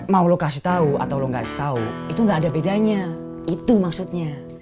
mau lo kasih tahu atau lo gak kasih tahu itu nggak ada bedanya itu maksudnya